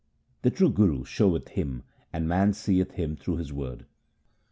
The true Guru showeth Him, and man seeth Him through his word.